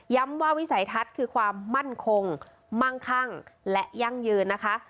ว่าวิสัยทัศน์คือความมั่นคงมั่งคั่งและยั่งยืนนะคะ